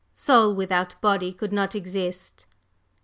Soul without body could not exist.